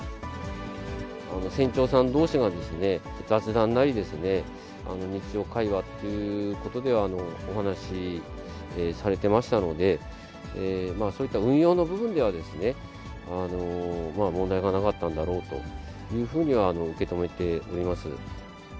船長さんどうしが、雑談なりですね、日常会話っていうことで、お話しされてましたので、そういった運用の部分では、問題がなかったんだろうというふうには受け止めております。